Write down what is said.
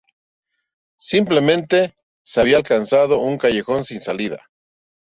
Simplemente, se había alcanzado un callejón sin salida.